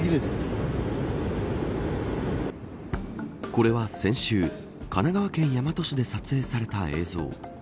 これは先週神奈川県大和市で撮影された映像。